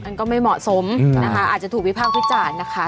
มันก็ไม่เหมาะสมนะคะอาจจะถูกวิพากษ์วิจารณ์นะคะ